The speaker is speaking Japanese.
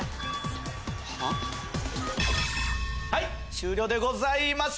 終了でございます。